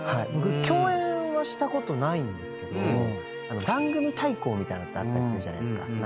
僕共演はしたことないんですけど番組対抗みたいのってあったりするじゃないですか。